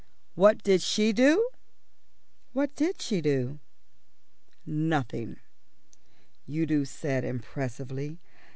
What did she do?" "What did she do?" "Nothing," said Udo impressively.